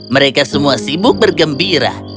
mereka semua sibuk bergembira